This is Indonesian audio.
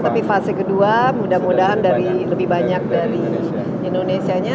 tapi fase kedua mudah mudahan lebih banyak dari indonesia